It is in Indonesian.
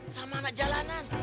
sama anak jalanan